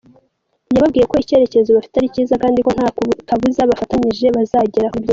Yababwiye ko icyerekezo bafite ari cyiza kandi ko nta kabuza bafatanyije bazagera kuri byinshi.